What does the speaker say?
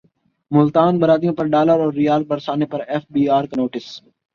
ملتان باراتیوں پرڈالراورریال برسانے پرایف بی رکانوٹس